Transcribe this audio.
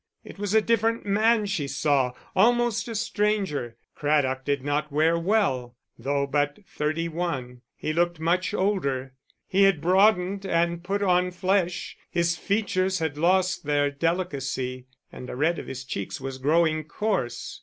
It was a different man she saw, almost a stranger. Craddock did not wear well; though but thirty one, he looked much older. He had broadened and put on flesh, his features had lost their delicacy, and the red of his cheeks was growing coarse.